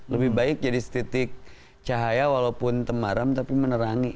lebih baik jadi setitik cahaya walaupun temaram tapi menerangi